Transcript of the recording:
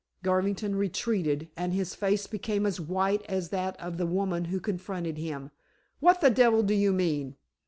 Garvington retreated and his face became as white as that of the woman who confronted him, "what the devil do you mean?"